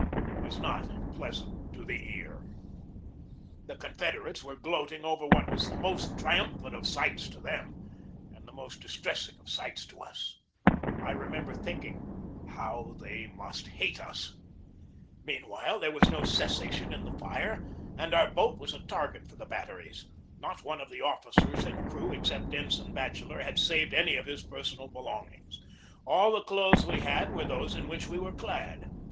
It was not pleasant to the ear. The Confederates were gloating over what was the most triumphant of sights to them and the most distressing of sights to us. I remember thinking :" How they must hate us !" Meanwhile, there was no cessation in the fire, and our boat was a target for the batteries. Not one of the officers and crew, except Ensign Batchel ler, had saved any of his personal belongings. All the clothes we had were those in which we were clad.